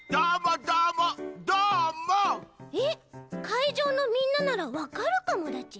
かいじょうのみんなならわかるかもだち？